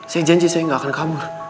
saya janji saya gak akan kabur